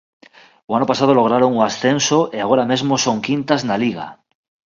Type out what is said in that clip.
O ano pasado lograron o ascenso e agora mesmo son quintas na Liga.